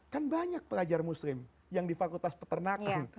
kan banyak pelajar muslim yang di fakultas peternakan